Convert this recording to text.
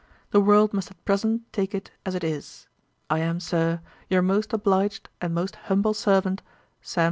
The world must at present take it as it is. I am, Sir, 'Your most obliged 'And most humble servant, 'SAM.